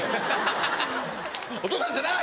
「お父さんじゃない！